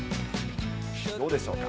どうでしょうか。